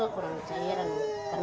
gue juga kurang cairan nih